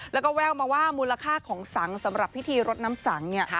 แล้วก็แววมาว่ามูลค่าของสังสำหรับพิธีรดน้ำสังเนี่ย